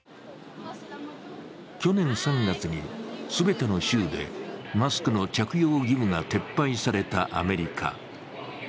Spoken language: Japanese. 去年３月に全ての州でマスクの着用義務が撤廃されたアメリカ。